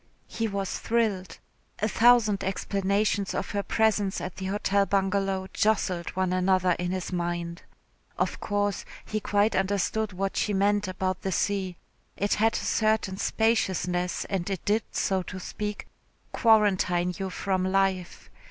He was thrilled. A thousand explanations of her presence at the Hotel Bungalow jostled one another in his mind. Of course he quite understood what she meant about the sea. It had a certain spaciousness and it did, so to speak, quarantine you from life.